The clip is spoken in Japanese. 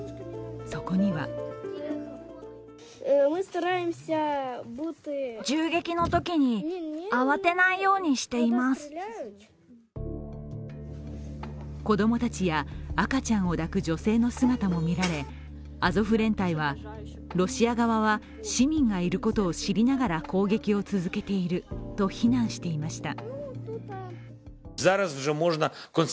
そこには子供たちや赤ちゃんを抱く女性の姿も見られ、アゾフ連隊はロシア側は市民がいることを知りながら攻撃を続けていると非難していました。